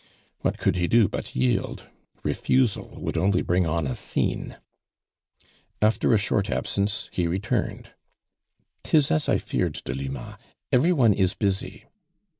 What could he do but yield? Refusal would only bring on a scene. After a short absence he returned. " 'Tis as I feared, Delima, every one is busy."